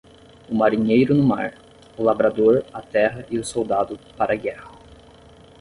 O marinheiro no mar; o labrador, a terra e o soldado, para a guerra.